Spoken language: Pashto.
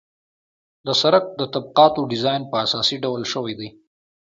د سرک د طبقاتو ډیزاین په اساسي ډول شوی دی